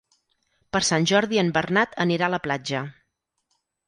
Per Sant Jordi en Bernat anirà a la platja.